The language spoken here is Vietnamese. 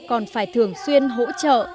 còn phải thường xuyên hỗ trợ